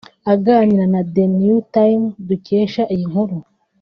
Aganira na The New Times dukesha iyi nkuru